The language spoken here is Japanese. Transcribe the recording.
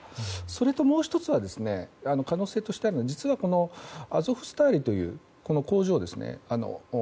それと、もう１つ可能性としてあるのはこのアゾフスタリという工場ですね。